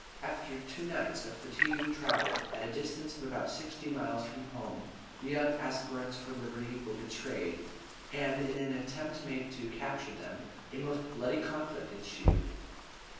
After two nights of fatiguing travel at a distance of about sixty miles from home, the young aspirants for liberty were betrayed, and in an attempt made to capture them a most bloody conflict ensued.